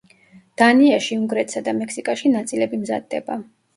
დანიაში, უნგრეთსა და მექსიკაში ნაწილები მზადდება.